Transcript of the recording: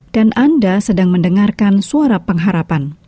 dan anda sedang mendengarkan suara pengharapan